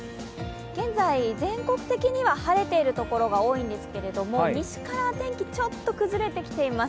現在、全国的には晴れている所が多いんですけれども、西から天気、ちょっと崩れてきています。